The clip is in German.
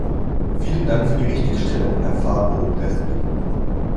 Vielen Dank für die Richtigstellung, Herr Fabre-Aubrespy.